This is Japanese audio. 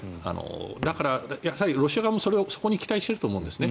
だからロシア側もそこに期待していると思うんですね。